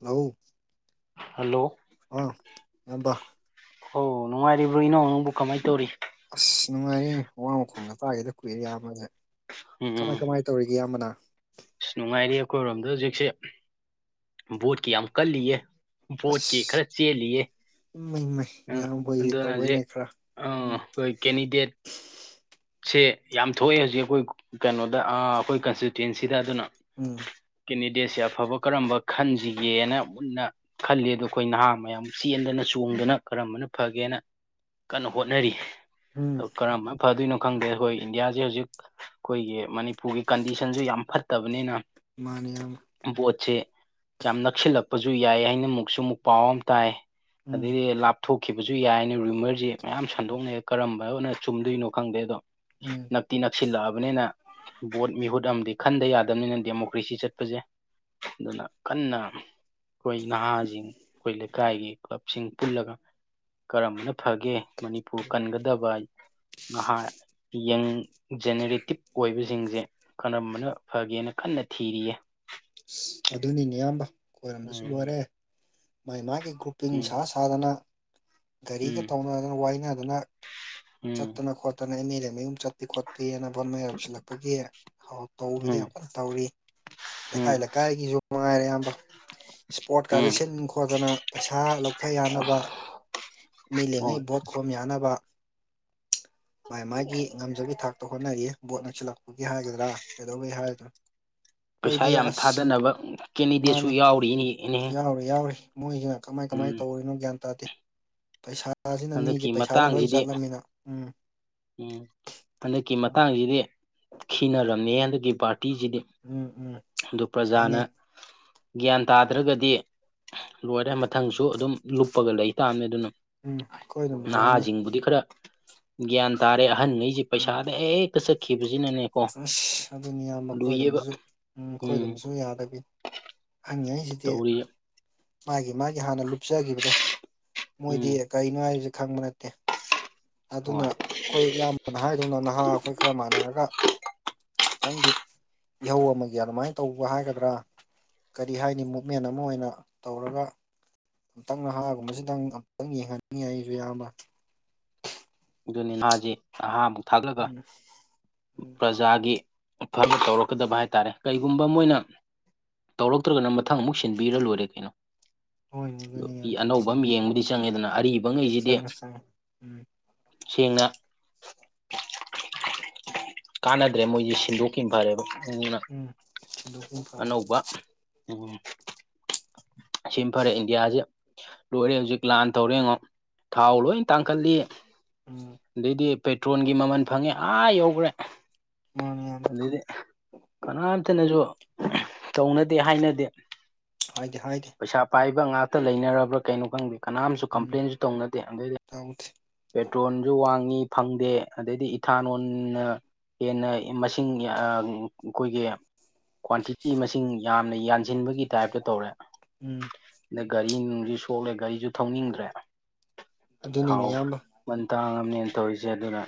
ꯅꯎ hello ꯑꯥ ꯑꯗ ꯍ ꯅꯨꯡꯉꯥꯏꯔꯤꯕ꯭ꯔꯣ ꯏꯅꯧ ꯅꯪꯕꯨ ꯀꯃꯥꯏꯅ ꯇꯧꯔꯤ ꯑꯁ ꯅꯨꯡꯉꯥꯏꯔꯤ ꯑꯋꯥꯡ ꯃꯈꯣꯡꯗ ꯇꯥꯒꯦꯗ ꯀꯨ ꯑꯦꯔꯤꯌꯥ ꯑꯃꯅꯦꯦ ꯎꯝ ꯀꯃꯥꯏ ꯎꯝ ꯀꯃꯥꯏ ꯇꯧꯔꯤꯒꯦ ꯑꯌꯥꯝꯕꯅ ꯑꯁ ꯅꯨꯡꯉꯥꯏꯔꯤ ꯑꯩꯈꯣꯏꯔꯣꯝꯗ ꯍꯧꯖꯤꯛꯁꯦ ꯕꯣꯠꯀꯤ ꯌꯥꯝ ꯀꯜꯂꯤꯌꯦ ꯣꯠꯀꯤ ꯑꯁ ꯈꯔ ꯆꯦꯜꯜꯂꯤꯌꯦ ꯏꯃꯩ ꯃꯩ ꯏꯌꯥꯝꯕꯍꯣꯏꯒꯤ ꯇꯧꯔꯦꯅꯦ ꯑꯗꯨꯅꯖꯤꯛ ꯈꯔ ꯎꯝ ꯑꯩꯈꯣꯏ ꯀꯦꯟꯗꯤꯗꯦꯠ ꯁꯦ ꯌꯥꯝ ꯊꯣꯛꯑꯦ ꯍꯧꯖꯤꯛ ꯑꯩꯈꯣꯏ ꯀꯩꯅꯣꯗ ꯑꯩꯈꯣꯏ ꯀꯟꯁꯇꯤꯇ꯭ꯋꯦꯟꯁꯤꯗ ꯑꯗꯨꯅ ꯎꯝ ꯀꯦꯟꯗꯤꯗꯦꯠꯁꯦ ꯑꯐꯕ ꯀꯔꯝꯕ ꯈꯟꯁꯤꯒꯦꯅ ꯃꯨꯟꯅ ꯈꯜꯂꯤ ꯑꯗꯣ ꯑꯩꯈꯣꯏ ꯅꯍꯥ ꯃꯌꯥꯝ ꯆꯦꯟꯗꯅ ꯆꯣꯡꯗꯅ ꯀꯔꯝꯕꯅ ꯐꯒꯦꯅ ꯀꯟꯅ ꯍꯣꯠꯅꯔꯤ ꯎꯝ ꯀꯔꯝꯕꯅ ꯐꯗꯣꯏꯅꯣ ꯈꯪꯗꯦ ꯍꯣꯏ ꯏꯟꯗꯤꯌꯥꯁꯦ ꯍꯧꯖꯤꯛ ꯑꯩꯈꯣꯏꯒꯤ ꯃꯅꯤꯄꯨꯔꯒꯤ ꯀꯟꯗꯤꯁꯟꯁꯨ ꯌꯥꯝ ꯐꯠꯇꯕꯅꯤꯅ ꯃꯥꯅꯤ ꯌꯥꯝ ꯕꯣꯠꯁꯦ ꯌꯥꯝ ꯅꯛꯁꯤꯜꯂꯛꯄꯁꯨ ꯌꯥꯏ ꯍꯥꯏꯅ ꯑꯃꯨꯛꯁꯨ ꯑꯃꯨꯛ ꯄꯥꯎ ꯑꯃ ꯇꯥꯏ ꯎꯝ ꯑꯗꯩꯗꯤ ꯊꯣꯛꯈꯤꯕꯁꯨ ꯌꯥꯏꯅ ꯔꯤꯃꯔꯁꯤ ꯃꯌꯥꯝ ꯁꯟꯗꯣꯛꯅꯩ ꯀꯔꯝꯕꯅ ꯆꯨꯝꯗꯣꯏꯅꯣ ꯈꯪꯗꯦ ꯑꯗꯣ ꯎꯝ ꯅꯞꯇꯤ ꯅꯛꯁꯤꯜꯂꯛꯑꯕꯅꯤꯅ ꯕꯣꯠ ꯃꯤꯍꯨꯠ ꯑꯃꯗꯤ ꯈꯟꯗ ꯌꯥꯗꯕꯅꯤꯅ ꯗꯦꯃꯣꯀ꯭ꯔꯦꯁꯤ ꯆꯠꯄꯁꯦ ꯑꯗꯨꯅ ꯀꯟꯅ ꯑꯩꯈꯣꯏ ꯅꯍꯥꯁꯤꯡ ꯑꯩꯈꯣꯏ ꯂꯩꯀꯥꯏꯒꯤ ꯀ꯭ꯂꯕꯁꯤꯡ ꯄꯨꯜꯂꯒ ꯀꯔꯝꯕꯅ ꯐꯒꯦ ꯃꯅꯤꯄꯨꯔ ꯀꯟꯒꯗꯕ ꯅꯍꯥ ꯌꯪ ꯖꯦꯅꯦꯔꯦꯇꯤꯞ ꯑꯣꯏꯕꯁꯤꯡꯁꯦ ꯀꯔꯝꯕꯅ ꯐꯒꯦꯅ ꯈꯟꯅ ꯊꯤꯔꯤꯌꯦ ꯑꯁ ꯑꯗꯨꯅꯤꯅꯦ ꯏꯌꯥꯝꯕ ꯈꯣꯏꯔꯝꯗꯁꯨ ꯎꯝ ꯂꯣꯏꯔꯦ ꯃꯥꯏ ꯃꯥ ꯀꯩ ꯔ꯭ꯔꯨꯄꯤꯤꯡꯁ ꯎꯝ ꯁꯥꯙꯅ ꯒꯥꯔꯤꯒ ꯎꯝ ꯊꯧꯅꯗꯅ ꯋꯥꯏꯅꯗꯅ ꯎꯝ ꯆꯠꯇꯅ ꯈꯣꯠꯇꯅ ꯑꯦꯝ ꯑꯦꯜ ꯑꯦ ꯃꯌꯨꯝ ꯆ ꯄꯤꯤ ꯈꯣꯠꯄꯤꯤꯅ ꯕꯣꯠ ꯃꯌꯥ ꯌꯧꯁꯤꯜꯂꯛꯄꯒꯤ ꯇꯧꯕꯤꯗ ꯎꯝ ꯌꯥꯝ ꯀꯟꯅ ꯇꯧꯔꯤ ꯎꯝ ꯂꯩꯀꯥꯏꯥꯏ ꯀꯥꯏꯒꯤꯁꯨ ꯉꯉꯥꯏꯔꯦ ꯑꯌꯥꯝꯕ ꯏꯁꯄꯣꯔꯠꯀꯥꯁꯦ ꯎꯝ ꯁꯤꯟ ꯈꯣꯠꯇꯅ ꯄꯩꯁꯥ ꯂꯧꯊ ꯌꯥꯅꯕ ꯃꯤ ꯂꯉꯩ ꯑꯣ ꯚꯣꯠ ꯈꯣꯝ ꯌꯥꯅꯕ ꯃꯥꯥꯏ ꯃꯥꯒꯤ ꯉꯝꯖꯕ ꯊꯥꯛꯇ ꯍꯣꯠꯅꯔꯤꯌꯦ ꯕꯣꯠ ꯅꯛꯁꯤꯜꯂꯛꯄꯒꯤ ꯍꯥꯏꯒꯗ꯭ꯔꯥ ꯀꯩꯗꯧꯕꯩ ꯍꯥꯏꯗꯅꯣ ꯄꯩꯁꯥ ꯌꯥꯝ ꯊꯥꯗꯅꯕ ꯀꯦꯟꯗꯤꯗꯦꯠꯁꯨ ꯃꯥꯅꯤ ꯌꯥꯎꯔꯤ ꯏꯅꯦ ꯏꯅꯦ ꯌꯥꯎꯔꯤ ꯌꯥꯎꯔꯤ ꯃꯣꯏꯁꯤꯅ ꯀꯃꯥꯏ ꯀꯃꯥꯏꯅ ꯇꯧꯔꯤꯅꯣ ꯒ꯭ꯌꯥꯟ ꯇꯥꯗꯦ ꯄꯩꯁꯥ ꯁꯤꯅ ꯃꯤꯁꯦ ꯍꯟꯗꯛꯀꯤ ꯄꯩꯁꯥꯗ ꯂꯣꯏ ꯃꯇꯥꯡꯁꯤꯗꯤ ꯆꯠꯂꯝꯃꯤꯅ ꯎꯝ ꯎꯝ ꯍꯟꯗꯛꯀꯤ ꯃꯇꯥꯡꯁꯤꯗꯤ ꯈꯤꯅꯔꯝꯅꯤ ꯍꯟꯗꯛ ꯇꯤꯁꯤꯗꯤ ꯎꯝ ꯎꯝ ꯑꯗꯨ ꯄ꯭ꯔꯖꯥꯅ ꯍꯥꯏꯅꯩ ꯒ꯭ꯌꯥꯟ ꯇꯥꯗ꯭ꯔꯒꯗꯤ ꯂꯣꯏꯔꯦ ꯃꯊꯪꯁꯨ ꯑꯗꯨꯝ ꯂꯨꯞꯄꯒ ꯂꯩꯇꯥꯥꯕꯅꯤ ꯑꯗꯨꯅ ꯎꯝ ꯑꯩꯈꯣꯏꯔꯣꯝꯗꯁꯨ ꯍꯥꯏꯅꯩ ꯅꯍꯥꯁꯤꯡꯕꯨꯗꯤ ꯈꯔ ꯭ꯌꯥꯟ ꯇꯥꯔꯦ ꯑꯍꯟꯉꯖ ꯎꯝ ꯄꯩꯁꯥꯗ ꯑꯦ ꯀ ꯁꯈꯤꯕ ꯑꯁ ꯑꯗꯨꯅꯤ ꯌꯥꯝ ꯂꯨꯏꯌꯦꯕ ꯃꯈꯣꯏꯗꯣꯝꯁꯨ ꯎꯝ ꯃꯈꯣꯏꯗꯣꯝꯁꯨ ꯌꯥꯗꯕꯤ ꯍꯥꯏ ꯁꯤꯗꯤ ꯇꯧꯔꯤꯌꯦ ꯃꯥꯒꯤ ꯃꯥꯒꯤ ꯍꯥꯟꯅ ꯀꯞꯆꯈꯤꯕꯗꯣ ꯃꯣꯏꯗꯤ ꯎꯝ ꯀꯔꯤꯅꯣ ꯍꯥꯏꯕꯁꯦ ꯈꯪꯕ ꯅꯠꯇꯦ ꯑꯗꯨꯅ ꯍꯣꯏ ꯑꯩꯈꯣꯏ ꯏꯌꯥꯝꯕꯅ ꯍꯥꯏꯗꯧꯅ ꯅꯍꯥ ꯑꯩꯈꯣꯏ ꯈꯔ ꯃꯥꯟꯅꯔꯒ ꯈꯤꯇꯪꯗꯤ ꯏꯍꯧ ꯑꯃꯒꯤ ꯑꯗꯨꯃꯥꯏꯅ ꯇꯧꯕ ꯍꯥꯏꯒꯗ꯭ꯔꯥ ꯀꯔꯤ ꯍꯥꯏꯅꯤ ꯃꯨꯞꯃꯦꯟ ꯑꯃ ꯑꯣꯏꯅ ꯇꯧꯔꯒ ꯑꯨꯇꯪ ꯅꯍꯥꯒꯨꯝꯕꯁꯤꯗꯪ ꯑꯃꯝꯛꯇꯪ ꯌꯦꯡꯍꯟꯅꯤꯡꯉꯤ ꯑꯩꯁꯨ ꯏꯌꯥꯝꯕ ꯅꯤꯖꯤ ꯍꯥ ꯎꯝ ꯎꯝ ꯄ꯭ꯔꯖꯥꯒꯤ ꯐꯕ ꯇꯧꯔꯛꯀꯗꯕ ꯍꯥꯏ ꯇꯥꯔꯦ ꯀꯩꯒꯨꯝꯕ ꯃꯣꯏꯅ ꯇꯧꯔꯛꯇ꯭ꯔꯒꯅ ꯃꯊꯪ ꯑꯃꯨꯛ ꯁꯤꯟꯕꯤꯔ ꯂꯣꯏꯔꯦ ꯀꯩꯅꯣ ꯍꯣꯏꯅꯦ ꯑꯣ ꯑꯗꯨꯅꯤ ꯏ ꯌꯥꯝ ꯑꯅꯧꯕ ꯑꯃ ꯁꯦꯝꯕ ꯈꯣꯠꯄ ꯌꯦꯡꯕꯗꯤ ꯆꯪꯉꯦ ꯑꯗꯨꯅ ꯑꯔꯤꯕꯉꯩꯁꯤꯗꯤ ꯆꯪꯉꯦ ꯆꯪꯉꯦ ꯎꯝ ꯁꯦꯡꯅ ꯀꯥꯟꯅꯗ꯭ꯔꯦ ꯃꯣꯏꯁꯦ ꯍꯤꯟꯗꯣꯛꯈꯤꯕ ꯐꯔꯦꯕꯅ ꯎꯝ ꯁꯤꯟꯗꯣꯛꯄꯅ ꯐꯔꯦ ꯑꯅꯧꯕ ꯁꯤꯃ ꯐꯔꯦ ꯏꯟꯗꯤꯌꯥꯁꯦ ꯂꯣꯏꯔꯦ ꯍꯧꯖꯤꯛ ꯂꯥꯟ ꯇꯧꯔꯦ ꯌꯦꯉꯣ ꯊꯥꯎ ꯂꯣꯏ ꯇꯥꯡꯈꯠꯂꯤ ꯎꯝ ꯑꯗꯩꯗꯤ ꯄꯦꯇ꯭ꯔꯣꯜꯒꯤ ꯃꯃꯜ ꯐꯪꯉꯦ ꯑꯥ ꯌꯧꯈ꯭ꯔꯦ ꯃꯥꯅꯦ ꯏꯌꯥꯝꯕ ꯑꯗꯨꯗꯤ ꯀꯅꯥꯇ ꯅꯁꯨꯣ ꯇꯧꯅꯗꯦ ꯍꯥꯏꯅꯗꯦ ꯍꯥꯏꯗ ꯍꯥꯏꯗ ꯏ ꯉꯥꯛꯇ ꯂꯩꯅꯔꯕ꯭ꯔ ꯀꯩꯅꯣ ꯈꯪꯗꯕ ꯀꯅꯥꯝꯁꯨ ꯎꯝ ꯀꯝꯄ꯭ꯂꯦꯟꯁꯨ ꯇꯧꯅꯗꯦ ꯑꯗꯨꯩꯗꯤ ꯇꯧꯗꯦ ꯄꯦꯇ꯭ꯔꯣꯜꯁꯨ ꯋꯥꯡꯉꯤ ꯐꯪꯗꯦ ꯑꯗꯩꯗꯤ ꯏꯊꯥꯂꯣꯟꯣꯟ ꯍꯦꯟꯅ ꯃꯁꯤꯡ ꯑꯩꯈꯣꯏꯒꯤ ꯀ꯭ꯋꯥꯟꯇꯤꯇꯤ ꯃꯁꯤꯡ ꯌꯥꯝꯅ ꯌꯥꯟꯁꯤꯟꯕꯒꯤ ꯇꯥꯏꯞꯇ ꯇꯧꯔꯦ ꯎꯝ ꯑꯗꯨꯒ ꯒꯥ ꯅꯨꯡ ꯁꯣꯛꯂꯦ ꯒꯥꯔꯤꯁꯨ ꯊꯧꯅꯤꯡꯗ꯭ꯔꯦ ꯑꯗꯨꯅꯤꯅꯦ ꯊꯥꯎ ꯏꯌꯥꯝꯕ ꯅꯦꯅ ꯇꯧꯔꯤꯁꯦ ꯑꯗꯨꯅ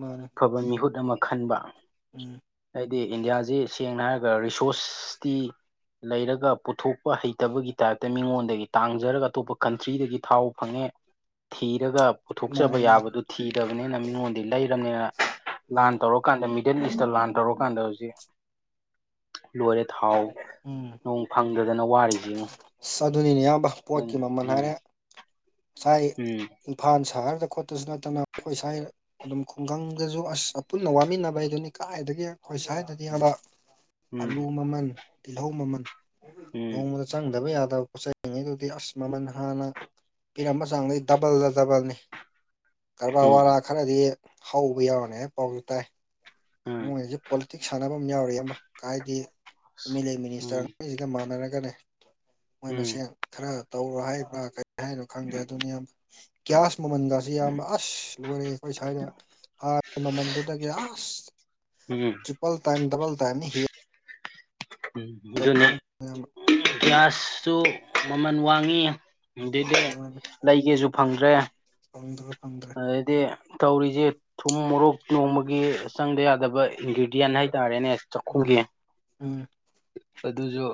ꯃꯥꯅꯦ ꯑꯐꯕ ꯃꯤꯍꯨꯠ ꯑꯃ ꯈꯟꯕ ꯎꯝ ꯍꯥꯏꯗꯤ ꯏꯟꯗꯤꯌꯥꯁꯤ ꯁꯦꯡꯅ ꯍꯥꯏꯔꯒ ꯔꯤꯁꯣꯔꯁ ꯁꯁꯤ ꯂꯩꯔꯒ ꯄꯨꯊꯣꯛꯄ ꯍꯩꯇꯕꯒꯤ ꯇꯥꯏꯞꯇ ꯃꯤꯉꯣꯟꯗꯒꯤ ꯇꯥꯡꯖꯔꯒ ꯑꯇꯣꯞꯄ ꯀꯟꯇ꯭ꯔꯤꯗꯒꯤ ꯊꯥꯎ ꯐꯪꯉꯦ ꯊꯤꯔꯒ ꯄꯨꯊꯣꯛꯆꯕ ꯃꯥꯅꯦ ꯃꯥꯅꯦ ꯌꯥꯕꯗꯨ ꯊꯤꯗꯕꯅꯤꯅ ꯃꯤꯉꯣꯟꯗꯤ ꯂꯩꯔꯕꯅꯤꯅ ꯂꯥꯟ ꯃꯥꯅꯦ ꯇꯧꯔꯀꯥꯟꯗ ꯃꯤꯗꯜ ꯏꯁꯇ ꯂꯥꯟ ꯇꯧꯔꯀꯥꯟꯗ ꯍꯧꯖꯤꯛ ꯂꯣꯏꯔꯦ ꯊꯥꯎ ꯅꯣꯡ ꯐꯪꯗꯗꯅ ꯋꯥꯔꯤꯁꯤꯉꯣ ꯆ ꯑꯗꯨꯅꯤꯅꯦ ꯏꯌꯥꯝꯕ ꯎꯝ ꯄꯣꯠꯀꯤ ꯃꯃꯜ ꯎꯝ ꯍꯥꯏꯔꯦ ꯉꯁꯥꯏ ꯎꯝ ꯏꯝꯐꯥꯜ ꯁꯍꯔꯗ ꯈꯣꯠꯇꯄꯁꯨ ꯅꯠꯇꯅ ꯑꯩꯈꯣꯏ ꯁꯋꯥ ꯑꯗꯨꯝ ꯈꯨꯡꯒꯪꯗꯁꯨ ꯑꯁ ꯑ ꯄꯨꯟꯅ ꯋꯥꯃꯤꯟꯅꯕ ꯍꯥꯏꯗꯨꯅꯤ ꯀꯗꯥꯥꯏꯗꯒꯤ ꯑꯩꯈꯣꯏ ꯁ꯭ꯋꯥꯏꯗꯗꯤ ꯍꯕ ꯎꯝ ꯑꯂꯨ ꯃꯃꯜ ꯇꯤꯜꯍꯧ ꯃꯃꯜ ꯎꯝ ꯅꯣꯡꯃꯗ ꯆꯪꯗꯕ ꯌꯥꯗꯕ ꯄꯣꯠꯆ ꯆꯩꯔꯤꯉꯩꯗꯨꯗꯤ ꯑꯁꯃꯃꯜ ꯍꯥꯟꯅ ꯄꯤꯔꯝꯕ ꯆꯥꯡꯗꯩ ꯗꯕꯜꯗ ꯗꯕꯜꯅꯤ ꯀꯔꯕꯥꯔ ꯋꯥꯔꯥ ꯎꯝ ꯈꯔꯗꯤ ꯍꯥꯎꯕ ꯌꯥꯎꯔꯅꯤ ꯍꯥꯏꯕ ꯄꯥꯎꯁꯨ ꯇꯥꯏ ꯎꯝ ꯃꯣꯏꯅꯁꯨ ꯄꯣꯂꯤꯇꯤꯛꯁ ꯁꯥꯟꯅꯕ ꯌꯥꯎꯔꯤ ꯑꯃ ꯍꯥꯏꯗꯤ ꯑꯦꯝ ꯑꯦꯜ ꯑꯦ ꯎꯝ ꯃꯤꯅꯤꯁꯇꯔꯁꯤꯒ ꯃꯥꯟꯅꯔꯒꯅꯦ ꯃꯣꯏ ꯎꯝ ꯃꯁꯦꯟ ꯈꯔ ꯇꯧꯔꯣ ꯍꯥꯏꯕ꯭ꯔꯥ ꯍꯥꯏꯅꯣ ꯈꯪꯗꯦ ꯑꯗꯨꯅ ꯌꯥꯝ ꯒ꯭ꯌꯥꯁ ꯃꯃꯟꯒꯁꯤꯦ ꯌꯥꯝꯅ ꯑꯁ ꯂꯣꯏꯔꯛꯑꯦ ꯑꯩꯈꯣꯏ ꯁ꯭ꯋꯥꯏꯗ ꯃꯃꯟꯗꯨꯗꯒꯤ ꯑꯁ ꯎꯝ ꯎꯝ ꯇ꯭ꯔꯤꯄꯜ ꯇꯥꯏꯝ ꯗꯕꯜ ꯇꯥꯏꯝ ꯍꯤ ꯎꯝ ꯑꯗꯨꯅ ꯒ꯭ꯌꯥꯁꯁꯨ ꯃꯃꯜ ꯋꯥꯡꯉꯤ ꯑꯗꯨꯗꯤ ꯂꯩꯒꯦꯁꯨ ꯐꯪꯗ꯭ꯔꯦ ꯐꯪꯗ꯭ꯔꯦ ꯐꯪꯗ꯭ꯔꯦ ꯑꯗꯩꯗꯤ ꯇꯧꯔꯤꯁꯦ ꯊꯨꯝ ꯃꯣꯔꯣꯛ ꯅꯣꯡꯃꯒꯤ ꯆꯪꯗ ꯌꯥꯗꯕ ꯏꯟꯒ꯭ꯔꯤꯗꯤꯌꯦꯟ ꯍꯥꯏꯇꯥꯔꯦꯅꯦ ꯎꯝ ꯆꯥꯛꯈꯨꯝꯜꯒꯤ ꯎꯝ ꯑꯗꯨꯁꯨ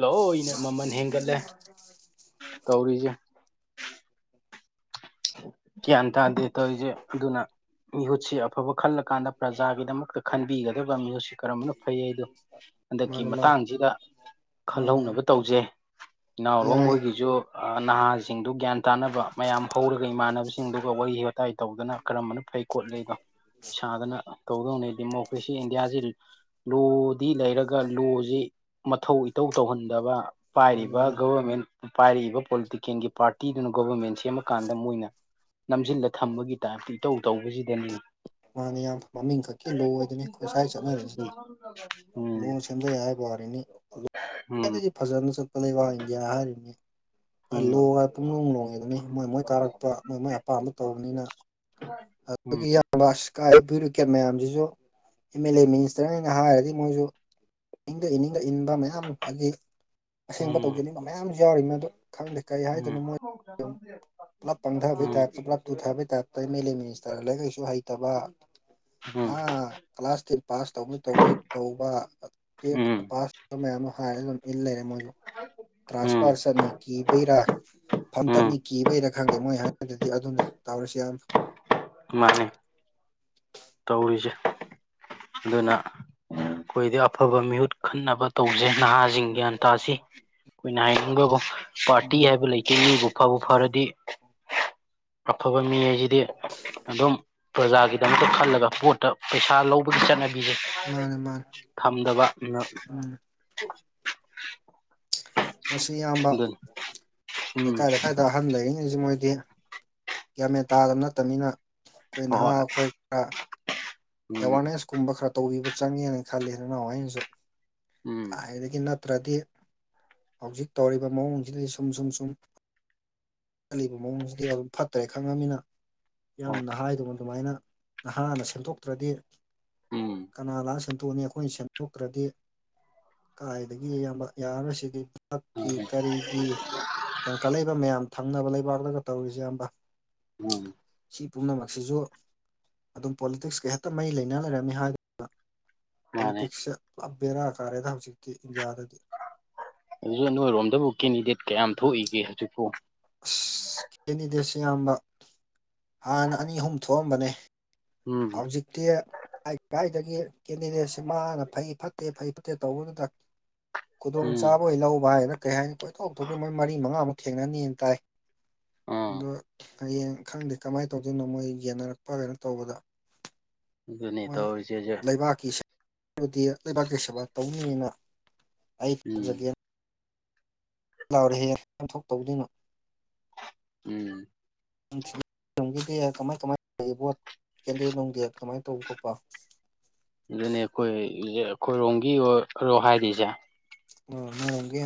ꯂꯣꯏꯅ ꯃꯃꯜ ꯍꯦꯟꯒꯠꯂꯦ ꯇꯧꯔꯤꯁꯦ ꯌꯥꯟ ꯇꯗ ꯇ ꯑꯣꯏꯁꯦ ꯑꯗꯨꯅ ꯃꯤꯍꯨꯠꯁꯤ ꯑꯐꯕ ꯈꯜꯂꯀꯥꯟꯗ ꯄ꯭ꯔꯖꯥꯒꯤꯗꯃꯛꯇ ꯈꯟꯕꯤꯒꯗꯕ ꯃꯤꯍꯨꯠꯁꯤ ꯀꯔꯝꯕꯅ ꯐꯩ ꯍꯥꯏꯗꯣ ꯍꯟꯗꯛꯀꯤ ꯃꯥꯅꯤ ꯃꯥꯅꯤ ꯃꯇꯥꯡꯁꯤꯗ ꯃꯥꯅꯤ ꯌꯥꯝ ꯈꯜꯍꯧꯅꯕ ꯇꯧꯖꯩ ꯏꯅꯥꯎꯔꯣ ꯌꯥꯏ ꯃꯣꯏꯒꯤꯁꯨ ꯅꯍꯥꯁꯤꯡꯗꯨ ꯒ꯭ꯌꯥꯟ ꯇꯥꯅꯕ ꯃꯌꯥꯝ ꯍꯧꯔꯒ ꯏꯃꯥꯟꯅꯕꯁꯤꯡꯗꯨꯒ ꯋꯥꯔꯤ ꯋꯥꯇꯥꯏ ꯇꯧꯗꯨꯅ ꯀꯔꯝꯕꯅꯣ ꯐꯩ ꯀꯣꯠ ꯂꯩꯗꯣ ꯁꯥꯗꯅ ꯇꯧꯗꯧꯅꯦꯩ ꯗꯦꯃꯣꯀ꯭ꯔꯦꯁꯤ ꯏꯟꯗꯤꯌꯥꯁꯤ ꯂꯣꯗꯤ ꯂꯩꯔꯒ ꯂꯣꯁꯤ ꯃꯊꯧ ꯏꯊꯧꯧ ꯇꯧꯍꯟꯗꯕ ꯃꯥꯅꯤ ꯄꯥꯏꯔꯤꯕ ꯃꯥꯅꯤ ꯒꯣꯕꯔꯃꯦꯟ ꯄꯥꯏꯔꯛꯏꯕ ꯄꯣꯂꯤꯇꯤꯀꯦꯜꯒꯤ ꯄꯥꯔꯇꯤꯗꯨꯅ ꯒꯣꯕꯔꯃꯦꯟꯁꯤ ꯑꯃ ꯀꯥꯟꯗ ꯃꯣꯏꯅ ꯅꯝꯁꯤꯜꯂ ꯊꯝꯕꯒꯤ ꯇꯥꯏꯞꯇ ꯏꯇꯧ ꯇꯧꯕꯁꯤꯗꯅꯤ ꯃꯥꯅ ꯌꯥꯝ ꯃꯃꯤꯡ ꯈꯛꯀꯤ ꯂꯨꯑꯣꯗꯅꯤ ꯑꯩꯈꯣꯏ ꯁ꯭ꯋꯥꯏ ꯆꯠꯅꯔꯤꯁꯤꯗꯤ ꯂꯣ ꯎꯝ ꯁꯦꯝꯖꯩ ꯍꯥꯏꯕ ꯎꯝ ꯋꯥꯔꯤꯅꯤꯋꯥꯏꯗꯒꯤ ꯐꯖꯅ ꯕꯥꯛ ꯏꯟꯗꯤꯌꯥ ꯍꯥꯏꯔꯤꯅꯤ ꯎꯝ ꯂꯣ ꯍꯥꯏ ꯄꯨꯡꯅꯨꯡ ꯂꯣꯡꯉꯦ ꯃꯣꯏ ꯃꯣꯏ ꯀꯥꯔꯛꯄ ꯃꯣꯏ ꯃꯣꯏ ꯑꯄꯥꯝꯕ ꯇꯧꯕꯅꯤꯅ ꯎꯝ ꯑꯗꯨꯒꯤ ꯏꯕ ꯏꯁꯀꯥꯏ ꯕ꯭ꯌꯨꯔꯣꯀꯦꯠ ꯃꯌꯥꯝꯁꯤꯁꯨ ꯑꯦꯝ ꯑꯦꯜ ꯑꯦ ꯃꯤꯅꯤꯁꯇꯔꯅ ꯍꯥꯏꯔꯗꯤ ꯃꯣꯏꯁꯨ ꯏꯅꯤꯡꯗ ꯏꯅꯤꯡꯗ ꯏꯟꯕ ꯃꯌꯥꯝ ꯍꯧꯖꯤꯛ ꯑꯁꯦꯡꯕ ꯎꯝ ꯇꯧꯖꯅꯤꯡꯕ ꯃꯌꯥꯝꯁꯨ ꯌꯥꯎꯔꯤ ꯃ ꯑꯗꯨꯣ ꯈꯪꯗꯦ ꯀꯩ ꯎꯝ ꯎꯝ ꯍꯥꯏꯗꯅꯣ ꯃꯣꯏ ꯄꯨꯂꯞ ꯄꯥꯡꯊꯕꯩ ꯎꯝ ꯇꯥꯏꯞꯇ ꯄꯨꯂꯞ ꯇꯨꯊꯕꯩ ꯇꯥꯏꯞꯇ ꯃꯃꯤ ꯁ ꯇꯔꯂ ꯀꯩꯁꯨ ꯍꯩꯇꯕ ꯍ ꯀ꯭ꯂꯥꯁ ꯇꯦꯟ ꯄꯥꯁ ꯇꯧꯅꯣꯏ ꯇꯧꯗꯣꯏ ꯇꯧꯕ ꯇꯨꯋꯜꯞ ꯎꯝ ꯄꯥꯁ ꯇꯧꯕ ꯃꯌꯥꯝ ꯑꯃ ꯐ ꯑꯗꯨꯝ ꯏꯔ ꯎꯝ ꯎꯝ ꯇ꯭ꯔꯥꯟꯁꯐꯥꯔ ꯆꯠꯅꯤ ꯀꯤꯕꯩꯔꯥ ꯐꯝꯇꯠꯅꯤ ꯎꯝ ꯀꯤꯕꯩꯔ ꯈꯪꯗꯦ ꯃꯣꯏ ꯍꯥꯏꯕꯗꯨꯗꯤ ꯑꯗꯨꯅꯤ ꯇꯧꯔꯁꯤ ꯌꯥꯝꯅ ꯃꯥꯃꯅꯦ ꯇꯧꯔꯤꯁꯦ ꯑꯗꯨꯅ ꯑꯩꯈꯣꯏꯗꯤ ꯑꯐꯕ ꯃꯤꯍꯨꯠ ꯈꯟꯅꯕ ꯇꯧꯖꯩ ꯅꯍꯥꯁꯤꯡ ꯒ꯭ꯌꯥꯟ ꯇꯥꯁꯤ ꯑꯩꯈꯣꯏꯅ ꯍꯥꯏ ꯄꯥꯔꯇꯤ ꯍꯥꯏꯕ ꯂꯩꯇꯦ ꯃꯤꯕꯨ ꯐꯕꯨ ꯐꯔꯗꯤ ꯑꯐꯕ ꯃꯤ ꯍꯥꯏ ꯌꯦꯗꯤ ꯑꯗꯨꯝ ꯄ꯭ꯔꯖꯥꯒꯤꯗꯃꯛꯇ ꯈꯜꯂꯒ ꯄꯣꯠꯇ ꯄꯩꯁꯥ ꯂꯧꯕ ꯒꯤ ꯆꯠꯅꯕꯤꯁꯦ ꯃꯥꯅꯦ ꯃꯥꯅꯦ ꯊꯝꯗꯕ ꯎꯝ ꯃꯁꯤ ꯑꯌꯥꯝꯕ ꯑꯗꯨꯅꯤ ꯎꯝ ꯂꯩꯀꯥꯏ ꯂꯩꯀꯥꯏꯗ ꯑꯍꯟ ꯂꯩꯔꯤꯉꯩꯁꯤ ꯃꯣꯏꯗꯤ ꯌꯥꯝꯒ ꯃꯦꯟ ꯇꯥꯗꯕ ꯅꯠꯇꯕꯅꯤꯅ ꯑꯩꯈꯣꯏ ꯅꯍꯥ ꯍꯣꯏ ꯑꯩꯈꯣꯏ ꯈꯔ ꯎꯝ ꯑꯦꯋꯥꯔꯅꯦꯁ ꯀꯨꯝꯕ ꯈꯔ ꯇꯧꯕꯤꯕ ꯆꯪꯉꯦꯅ ꯈꯜꯂꯤ ꯑꯗꯨꯅ ꯑꯩꯅꯁꯨ ꯎꯝ ꯀꯥꯏꯗꯒꯤ ꯅꯠꯇ꯭ꯔꯗꯤ ꯍꯧꯖꯤꯛ ꯇꯧꯔꯤꯕ ꯃꯑꯣꯡꯁꯤꯗꯩ ꯁꯨꯝ ꯁꯨꯝ ꯁꯨꯝ ꯆꯠꯂꯤꯕ ꯃꯑꯣꯡꯁꯤꯗꯤ ꯑꯗꯨꯝ ꯐꯠꯇ꯭ꯔꯦ ꯈꯪꯉꯃꯤꯅ ꯍꯣꯏ ꯌꯥꯝꯅ ꯍꯥꯏꯗꯅ ꯑꯗꯨꯃꯥꯏꯅ ꯅꯍꯥꯅ ꯁꯦꯝꯗꯣꯛꯇ꯭ꯔꯗꯤ ꯎꯝ ꯀꯅꯥꯅ ꯁꯦꯝ ꯐꯣꯅꯤ ꯑꯩꯈꯣꯏꯅ ꯁꯦꯝꯗꯣꯛꯇ꯭ꯔꯗꯤ ꯀꯥꯏꯗꯒꯤ ꯑꯌꯥꯝꯕ ꯌꯥꯔꯔꯁꯤꯗꯤ ꯍꯛꯀꯤ ꯎꯝ ꯀꯔꯤꯒꯤ ꯍꯦꯟꯀꯠꯂꯛꯏꯕ ꯃꯌꯥꯝ ꯊꯪꯅꯕ ꯂꯩꯕꯥꯛꯂꯒ ꯇꯧꯔꯤꯁꯦ ꯑꯕ ꯎꯝ ꯁꯤ ꯄꯨꯝꯅꯃꯛꯁꯤꯁꯨ ꯑꯗꯨꯝ ꯄꯣꯂꯤꯇꯤꯛꯁꯀ ꯍꯦꯛꯇ ꯃꯩ ꯂꯩꯅ ꯂꯩꯔꯝꯃꯤ ꯍꯥꯏ ꯃꯥꯅꯦ ꯄꯣꯂꯤꯇꯤꯛꯁ ꯂꯦꯔ ꯀꯥꯔꯦ ꯊ ꯍꯧꯖꯤꯤ ꯑꯗꯨꯁꯨ ꯅꯣꯏꯔꯣꯝꯗꯕꯨ ꯀꯦꯟꯗꯤꯗꯦꯠ ꯀꯌꯥꯝ ꯊꯣꯛꯏꯒꯦ ꯍꯧꯖꯤꯛꯐꯥꯎ ꯑꯁ ꯀꯦꯟꯗꯤꯗꯦꯠꯁꯦ ꯑꯌꯥꯝꯕ ꯍꯥꯟꯅ ꯑꯅꯤ ꯑꯍꯨꯝ ꯊꯣꯛꯑꯝꯕꯅꯦ ꯎꯝ ꯍꯧꯥꯎꯖꯤꯛꯇ ꯑꯗꯒꯤ ꯀꯦꯟꯗꯤꯗꯦꯠꯁꯤꯦ ꯃꯥꯅ ꯐꯩ ꯐꯠꯇꯦ ꯐꯩ ꯐꯠꯇꯦ ꯇꯧꯕꯗꯨꯗ ꯎꯝ ꯈꯨꯗꯣꯡꯆꯥꯥꯕ ꯍ ꯂꯧꯕ ꯍꯥꯏꯗꯅ ꯀꯩ ꯍꯥꯏꯅꯤ ꯀꯣꯏꯊꯣꯛ ꯊꯣꯛꯈ꯭ꯔꯦ ꯃꯣꯏ ꯃꯔꯤ ꯃꯉꯥꯃꯨꯛ ꯊꯦꯡꯅꯅꯤꯅ ꯇꯥꯏ ꯑꯥ ꯑꯗ ꯍꯌꯦꯡ ꯈꯪꯗꯦ ꯀꯃꯥꯏꯅ ꯇꯧꯗꯣꯏꯅꯣ ꯃꯣꯏ ꯌꯦꯟꯅꯔꯛꯄ ꯀꯩꯅꯣ ꯇꯧꯕꯗ ꯑꯗꯨꯅꯤ ꯇꯁꯦꯁꯦ ꯗꯤ ꯂꯩꯕꯥꯛꯀꯤ ꯁꯦꯕꯥ ꯇꯧꯅꯤꯡꯅꯤꯅ ꯑꯩ ꯎꯝ ꯇꯧꯖꯒꯦ ꯂꯥꯎꯔꯤꯍꯦ ꯀꯟꯊꯣꯛ ꯇꯧꯗꯣꯏꯅꯣ ꯎꯝ ꯎꯗꯦ ꯀꯃꯥꯏ ꯀꯃꯥꯏꯅꯣ ꯀꯦꯟꯗꯦꯅꯨꯡꯗꯦ ꯀꯃꯥꯏꯅ ꯇꯧꯕ ꯈꯣꯄ ꯦ ꯑꯩꯈꯣꯏꯔꯣꯝꯒꯤ ꯑꯣꯏꯔꯣ ꯍꯥꯏꯔꯤꯁꯦ ꯑꯣ ꯍꯔꯒ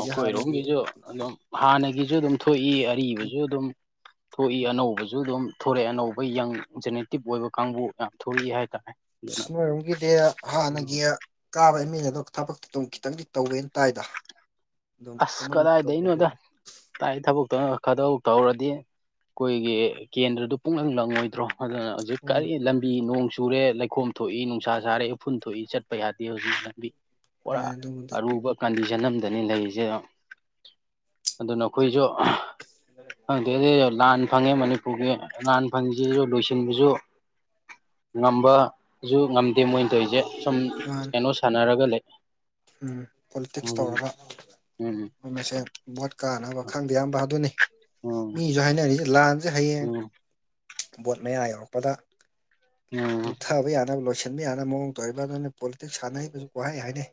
ꯑꯩꯈꯣꯏꯔꯣꯝꯒꯤꯁꯨ ꯑꯗꯨꯝ ꯍꯥꯟꯅꯒꯤꯁꯨ ꯑꯗꯨꯝ ꯊꯣꯛꯏ ꯑꯔꯤꯕꯁꯨ ꯑꯗꯨꯝ ꯊꯣꯛꯏ ꯑꯅꯧꯕꯁꯨ ꯑꯗꯨꯝ ꯊꯣꯔꯛꯑꯦ ꯑꯅꯧꯕ ꯌꯪ ꯖꯦꯅꯦꯇꯤꯞ ꯑꯣꯏꯕ ꯀꯥꯡꯕꯨ ꯌꯥꯝ ꯊꯣꯛꯣꯔꯛꯏ ꯍꯥꯏꯇꯥꯔꯦ ꯁ ꯑꯗꯨꯅ ꯅꯔꯨꯝꯒꯤꯗꯤ ꯍꯥꯟꯅꯒꯤ ꯀꯥꯕ ꯏꯃꯤꯅ ꯑꯗꯨꯒ ꯊꯕꯛꯇꯤ ꯑꯗꯨꯝ ꯈꯤꯇꯪꯗꯤ ꯇꯧꯋꯦꯅ ꯇꯥꯏꯗ ꯑꯗꯨꯝ ꯑꯁ ꯀꯃꯥꯏꯅ ꯀꯗꯥꯏꯗꯩꯅꯣꯗ ꯇꯧꯕꯗꯨꯕꯨ ꯇꯥꯏ ꯊꯕꯛ ꯈꯤꯪ ꯈꯗꯧ ꯇꯧꯔꯗꯤ ꯑꯩꯈꯣꯏꯒꯤ ꯀꯦꯟꯗ꯭ꯔꯗꯨ ꯄꯨꯡꯍꯪ ꯂꯪꯉꯣꯏꯗ꯭ꯔꯣ ꯑꯗꯨꯅ ꯍꯧꯖꯤꯛ ꯎꯝ ꯀꯔꯤ ꯂꯝꯕꯤꯣꯡ ꯆꯨꯔꯦ ꯂꯩꯈꯣꯝ ꯊꯣꯛꯏ ꯅꯨꯡꯁꯥ ꯁꯥꯔꯦ ꯎꯐꯨꯟ ꯊꯣꯛꯏ ꯆꯠꯄ ꯌꯥꯗꯦ ꯍꯧꯖꯤꯛ ꯂꯝꯕꯤ ꯄꯨꯔꯥ ꯍꯣꯏ ꯑꯗꯨꯕꯨꯗꯤ ꯑꯔꯨꯕ ꯀꯟꯗꯤꯁꯟ ꯑꯝꯗꯅꯤ ꯂꯩꯔꯤꯁ ꯑꯗꯨꯅ ꯑꯩꯈꯣꯏꯁꯨ ꯈꯪꯗꯦ ꯂꯥꯟ ꯐꯪꯉꯦ ꯃꯅꯤꯄꯨꯔꯒꯤ ꯑꯉꯥꯟ ꯐꯪꯁꯤꯁꯨ ꯂꯣꯏꯁꯤꯟꯕꯁꯨ ꯉꯝꯕꯁꯨ ꯉꯝꯗꯦ ꯃꯣꯏꯅ ꯇꯧꯔꯤꯁꯦ ꯁꯨꯝ ꯃꯥꯅꯤ ꯀꯩꯅꯣ ꯁꯥꯟꯅꯔꯒ ꯂꯩ ꯄꯣꯂꯤꯇꯤꯛꯁ ꯎꯝ ꯇꯧꯔꯒ ꯎꯝ ꯃꯣꯏ ꯃꯁꯦ ꯚꯣꯠ ꯀꯥꯟꯅꯕ ꯈꯪꯗꯦ ꯑꯌꯥꯝꯕ ꯑꯗꯨꯅꯤ ꯎꯝ ꯃꯤꯁꯨ ꯍꯥꯏꯅꯔꯤꯁꯦ ꯂꯥꯟꯁꯦ ꯍꯌꯦꯡ ꯎꯝ ꯕꯣꯠ ꯃꯌꯥ ꯌꯧꯔꯛꯄꯗ ꯎꯝ ꯇꯨꯊꯕ ꯌꯥꯅꯕ ꯂꯣꯏꯁꯤꯜ ꯁꯤꯟꯕ ꯌꯥꯅ ꯃꯑꯣꯡ ꯇꯧꯔꯤꯕ ꯑꯗꯨꯅ ꯄꯣꯂꯤꯇꯤꯛꯁ ꯁꯥꯟꯅꯔꯤꯕꯁꯨ ꯋꯥꯍꯩ ꯍꯥꯏꯅꯩ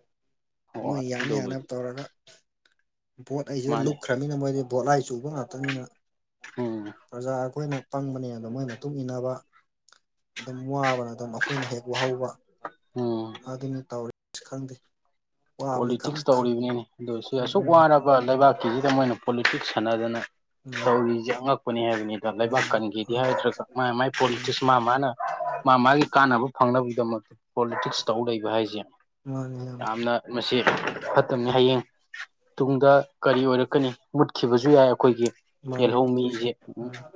ꯍꯣꯏ ꯃꯣꯏ ꯌꯥꯅ ꯌꯥꯅ ꯑꯗꯨꯕꯨꯗꯤ ꯇꯧꯔꯒ ꯚꯣꯠ ꯑꯩꯁꯤꯗ ꯃꯥꯅꯦ ꯂꯨꯞꯈ꯭ꯔꯕꯅꯤꯅ ꯃꯣꯏꯗꯤ ꯚꯣꯠꯂꯥꯏ ꯆꯨꯕ ꯉꯥꯛꯇꯅꯤꯅ ꯍꯝ ꯄ꯭ꯔꯖꯥ ꯑꯩꯈꯣꯏꯅ ꯄꯪꯕꯅꯦ ꯑꯗ ꯃꯣꯏꯒꯤ ꯃꯇꯨꯡ ꯏꯟꯅꯕ ꯑꯗꯨꯝ ꯋꯥꯕꯅ ꯑꯗꯨꯝ ꯑꯩꯈꯣꯏꯅ ꯍꯦꯛ ꯋꯥꯍꯧꯕ ꯎꯝ ꯑꯗꯨꯅ ꯇꯧꯔꯤ ꯈꯪꯗꯦ ꯋꯥꯕꯗꯤ ꯄꯣꯂꯤꯇꯤꯛꯁ ꯈꯝ ꯈꯝ ꯇꯧꯔꯤꯕꯅꯤꯅꯤ ꯑꯗꯨ ꯁꯤ ꯑꯁꯨꯛ ꯎꯝ ꯋꯥꯔꯕ ꯂꯩꯕꯥꯛꯀꯤꯁꯤꯗ ꯃꯣꯏꯅ ꯄꯣꯂꯤꯇꯤꯛꯁ ꯁꯥꯟꯅꯗꯅ ꯃꯥꯅꯤ ꯇꯧꯔꯤꯁꯦ ꯑꯉꯛꯄꯅꯤ ꯍꯥꯏꯕꯅꯤꯗ ꯂꯩꯕꯥꯛ ꯃꯥꯅꯤ ꯀꯟꯈꯤꯗꯤ ꯃꯥꯅꯤ ꯍꯥꯏꯗ꯭ꯔꯒ ꯃꯥꯏ ꯃꯥꯏ ꯄꯣꯂꯤꯇꯤꯛꯁ ꯃꯥ ꯃꯥꯅ ꯃꯥ ꯃꯥꯒꯤ ꯀꯥꯟꯅꯕ ꯐꯪꯅꯕꯒꯤꯗꯃꯛꯇ ꯄꯣꯂꯤꯇꯤꯛꯁ ꯇꯧ ꯂꯩꯕ ꯍꯥꯏꯁꯦ ꯃꯥꯅꯤ ꯏꯌꯥꯝꯕ ꯌꯥꯝꯅ ꯑꯁꯤ ꯐꯠꯇꯅꯤ ꯍꯌꯦꯡ ꯇꯨꯡꯗ ꯀꯔꯤ ꯑꯣꯏꯔꯛꯀꯅꯤ ꯃꯨꯠꯈꯤꯕꯁꯨ ꯌꯥꯏ ꯑꯩꯈꯣꯏꯒꯤ ꯃꯥꯅꯤ ꯃꯨꯠꯈꯤꯕꯁꯦ ꯌꯦꯜꯍꯧꯃꯤꯁꯦ ꯎꯝ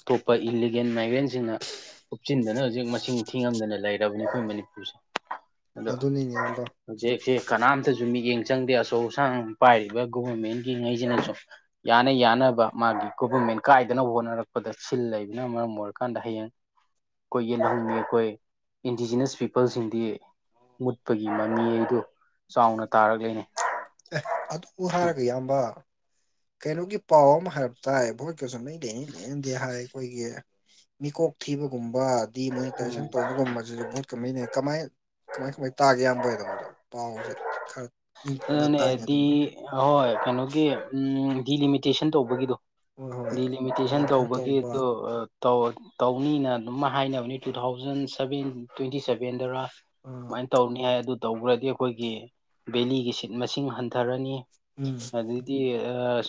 ꯑꯇꯣꯞꯄ ꯏꯂꯤꯒꯦꯟ ꯃꯥꯏꯒ꯭ꯔꯦꯟꯁꯤꯡꯅ ꯎꯨꯞꯆꯤꯟꯗꯅ ꯍꯧꯖꯤꯛ ꯃꯁꯤꯡ ꯊꯤꯉꯝꯗꯅ ꯂꯩꯔ ꯂꯩ ꯑꯩꯈꯣꯏ ꯃꯅꯤꯄꯨꯔꯁꯦ ꯑꯗꯣ ꯑꯗꯨꯅꯤꯅꯦ ꯏꯌꯥꯝꯕ ꯍꯧꯖꯤꯛꯁꯦ ꯀꯅꯥꯝꯇꯁꯨ ꯃꯤꯠꯌꯦꯡꯪ ꯆꯪꯗꯦ ꯑꯆꯧ ꯑꯁꯥꯡ ꯄꯥꯏꯔꯤꯕ ꯒꯣꯚꯔꯃꯦꯟꯒꯤ ꯉꯩꯁꯤꯅꯁꯨ ꯌꯥꯅ ꯌꯥꯅꯕ ꯃꯥꯒꯤ ꯒꯣꯕꯔꯃꯦꯟ ꯀꯥꯏꯗꯅꯕ ꯍꯣꯠꯅꯔꯛꯄꯗ ꯁꯤꯜ ꯂꯩꯕꯅ ꯃꯔꯝ ꯑꯣꯏꯔꯀꯥꯟꯗ ꯍꯌꯦꯡ ꯑꯩꯈꯣꯏ ꯌꯦꯜꯍꯧꯉꯤ ꯑꯩꯈꯣꯏ ꯏꯟꯗꯤꯖꯤꯅꯁ ꯄꯤꯄꯜꯁꯤꯡꯗꯤ ꯃꯨꯠꯄꯒꯤ ꯃꯃꯤ ꯑꯩꯗꯣ ꯑꯦ ꯑꯗꯨ ꯍꯥꯏꯔꯒꯦ ꯏꯌꯥꯝꯕ ꯀꯩꯅꯣꯒꯤ ꯄꯥꯎ ꯑꯃ ꯍꯥꯏꯕ ꯇꯥꯏꯕꯣꯏ ꯀꯁꯨ ꯅ ꯂꯩꯅꯤ ꯂꯩꯅꯗꯦ ꯍꯥꯏ ꯑꯩꯈꯣꯏꯒꯤ ꯃꯤꯀꯣꯛ ꯊꯤꯕꯒꯨꯝꯕ ꯎꯝ ꯗꯤꯃꯣꯅꯤꯇꯥꯏꯖꯦꯁꯟ ꯇꯧꯕꯒꯨꯝꯕꯁꯤꯁꯨ ꯀꯃꯅꯤ ꯀꯃꯥꯏ ꯀꯃꯥꯏ ꯀꯃꯥꯏꯅ ꯇꯥꯒꯦ ꯌꯥꯝꯕꯣꯏꯗꯣꯗ ꯄꯥꯎꯁꯦ ꯈꯔ ꯅꯤꯡꯇꯝꯅ ꯇꯥꯏꯅꯦ ꯑꯗꯨꯅꯦꯗꯤ ꯑꯗꯣꯝꯗ ꯑꯍꯣꯏ ꯀꯩꯅꯣꯒꯤ ꯎ ꯗꯤꯂꯤꯃꯤꯇꯦꯁꯟ ꯇꯧꯕꯒꯤꯗꯣ ꯍꯣꯏ ꯍꯣꯏ ꯗꯤꯂꯤꯃꯤꯇꯦꯁꯟ ꯗꯤꯃꯣꯅꯤꯇꯥꯏꯖꯦꯁꯟ ꯇꯧꯕꯒꯤ ꯇꯧꯕ ꯑꯗꯨ ꯇꯧꯅꯤꯅ ꯑꯗꯨꯃ ꯍꯥꯏꯅꯕ ꯋꯤꯗ ꯑꯥ ꯇꯅꯤ ꯍꯥꯏ ꯇꯧꯕ꯭ꯔꯗꯤ ꯑꯩꯈꯣꯏꯒꯤ ꯕꯦꯂꯤꯒꯤ ꯁꯤꯠ ꯃꯁꯤꯡ ꯍꯟꯊꯔꯅꯤ ꯎꯝ ꯑꯗꯨꯩꯗꯤ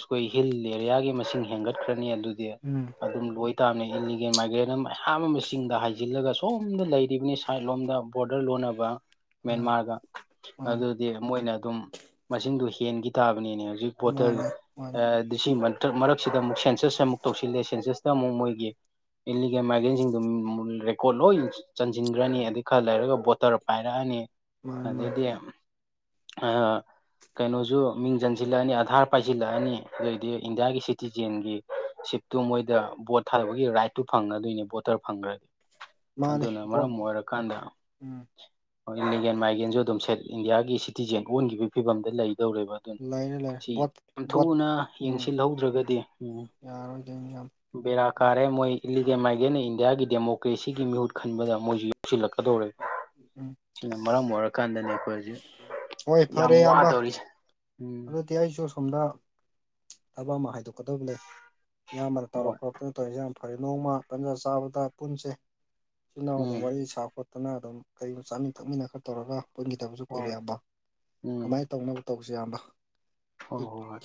ꯈꯣꯏ ꯍꯤꯜ ꯑꯦꯔꯤꯌꯥꯒꯤ ꯃꯁꯤꯡ ꯍꯦꯟꯒꯠꯈ꯭ꯔꯅꯤ ꯑꯗꯨꯗꯤ ꯎꯝ ꯑꯗꯨꯝ ꯂꯣꯏ ꯇꯥ ꯏꯂꯤꯒꯦꯜ ꯃꯥꯏꯒ꯭ꯔꯦꯟ ꯑꯃ ꯃꯌꯥꯝ ꯑꯃꯁꯤꯡꯗ ꯍꯥꯏꯖꯤꯜꯂꯒ ꯁꯣꯝꯗ ꯂꯩꯔꯤꯕꯅꯤ ꯁꯥꯏꯠ ꯂꯣꯝꯗ ꯕꯣꯔꯗꯔ ꯂꯣꯟ ꯑꯥ ꯃꯦꯟꯃꯥꯔ ꯃꯥꯅꯤ ꯑꯗꯨ ꯃꯣꯏꯅ ꯑꯗꯨ ꯃꯁꯤꯡ ꯍ ꯇ ꯍꯧꯖꯤꯛ ꯕꯣꯇꯜ ꯃꯥꯅꯦ ꯃꯥꯅꯦ ꯃꯔꯛꯁꯤꯗ ꯑꯃꯨꯛ ꯁꯦꯟꯁꯁ ꯑꯃꯨꯛ ꯇꯧꯁꯤꯜꯂꯦ ꯁꯦꯟꯁꯁ ꯇꯃꯣ ꯃꯣꯏꯒꯤ ꯏꯂꯤꯒꯦꯜ ꯃꯥꯔꯒꯦꯟꯁꯤꯡꯗꯨ ꯔꯦꯀꯣꯔꯠ ꯂꯣꯏ ꯆꯟꯁꯤꯟꯈ꯭ꯔꯅꯤ ꯑꯗꯩ ꯈꯔ ꯂꯩꯔꯒ ꯕꯣꯇꯔ ꯄꯥꯏꯔꯛꯑꯅꯤ ꯃꯥꯅꯦ ꯃꯥꯅꯦ ꯑꯗꯗꯤ ꯑ ꯀꯩꯅꯣꯁꯨ ꯃꯤꯡ ꯆꯟꯁꯤꯜꯂꯛꯑꯅꯤ ꯑꯙꯥꯔ ꯄꯥꯏꯁꯤꯜꯂꯛꯑꯅꯤ ꯑꯗꯨꯗꯩꯗꯤ ꯏꯟꯗꯤꯌꯥꯒꯤ ꯁꯤꯇꯤꯖꯦꯟꯒꯤ ꯤꯛꯇꯨ ꯃꯣꯏꯗ ꯕꯣꯠ ꯊꯥꯗꯕꯒꯤ ꯔꯥꯏꯠꯇꯨ ꯐꯪꯉꯗꯣꯏꯅꯤ ꯕꯣꯇꯔ ꯐꯪꯈ꯭ꯔꯗꯤ ꯃꯥꯅꯦ ꯑꯗꯨꯅ ꯕꯣꯠ ꯃꯔꯝ ꯑꯣꯏꯔꯀꯥꯟꯗ ꯎꯝ ꯂꯤꯒꯦꯟ ꯃꯥꯏꯒ꯭ꯔꯦꯟꯁꯨ ꯑꯗꯨꯝ ꯁꯦꯠ ꯏꯟꯗꯤꯌꯥꯒꯤ ꯁꯤꯇꯤꯖꯦꯟ ꯑꯣꯟꯈꯤꯕꯒꯤ ꯐꯤꯕꯝꯗ ꯂꯩ ꯇꯧꯔꯦꯕ ꯑꯗꯨꯅ ꯂꯩꯔꯦ ꯂꯩꯔꯦ ꯁꯤ ꯕꯣꯠ ꯌꯥꯝ ꯕꯣꯠ ꯊꯨꯅ ꯎꯝ ꯌꯦꯡꯁꯤꯜꯍꯧꯗ꯭ꯔꯒꯗꯤ ꯎꯝ ꯌꯥꯔꯣꯏꯗꯣꯏꯅꯤ ꯌꯥꯝ ꯕꯦꯔꯥ ꯀꯥꯔꯦ ꯃꯣꯏ ꯏꯂꯤꯒꯦ ꯃꯥꯏꯒꯤꯦꯅ ꯏꯟꯗꯤꯌꯥꯒꯤ ꯗꯦꯃꯣꯀ ꯃꯣꯀ꯭ꯔꯦꯁꯤꯒꯤ ꯃꯤꯍꯨꯠ ꯈꯟꯕꯗ ꯃꯣꯏꯁꯨ ꯌꯧꯁꯤꯜꯂꯛꯀꯗꯧꯔꯦ ꯎꯝ ꯁꯤꯅ ꯃꯔꯝ ꯑꯣꯏꯔꯀꯥꯟꯗꯅꯤ ꯑꯩꯈꯣꯏ ꯍꯧꯖꯤꯛ ꯍꯣꯏ ꯌꯥꯝ ꯐꯔꯦ ꯑꯕ ꯋꯥꯗꯧꯔꯤꯁꯦ ꯎꯝ ꯑꯗꯨꯗꯤ ꯑꯩꯁꯨ ꯁꯣꯝꯗ ꯊꯕꯛ ꯑꯃ ꯍꯥꯏꯗꯣꯛ ꯇꯧꯀꯗꯕ ꯂꯩ ꯏꯌꯥꯝꯕꯅ ꯇꯧꯔꯛ ꯍꯣꯏ ꯈꯣꯛꯇꯅ ꯇꯧꯔꯦ ꯏꯌꯥꯝ ꯐꯔꯦ ꯅꯣꯡꯃ ꯇꯟꯖꯥ ꯆꯥꯕꯗ ꯄꯨꯟꯁꯦ ꯁꯤꯆꯜ ꯏꯅꯥꯎ ꯎꯝ ꯑꯗꯨꯝ ꯋꯥꯔꯤ ꯁꯥ ꯈꯣꯠ ꯐꯠꯇꯅ ꯑꯗꯨꯝ ꯀꯩꯒꯨꯝꯕ ꯆꯥꯃꯤꯟ ꯊꯛꯃꯤꯟꯅ ꯈꯔ ꯇꯧꯔꯒ ꯄꯨꯟꯈꯤꯗꯕꯁꯨ ꯍꯣꯏ ꯀꯨꯏꯔꯦꯌꯥꯝꯕ ꯎꯝ ꯑꯗꯨꯃꯥꯏꯅ ꯇꯧꯅꯕ ꯇꯧꯁꯤ ꯌꯥꯝꯕ ꯍꯣꯏ ꯍꯣꯏ ꯍꯣꯏ